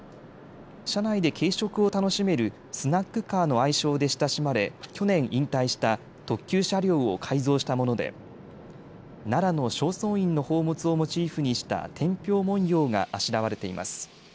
車内で軽食を楽しめるスナックカーの愛称で親しまれ去年引退した特急車両を改造したもので奈良の正倉院の宝物をモチーフにした天平文様があしらわれています。